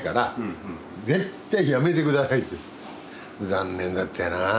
残念だったよなぁ。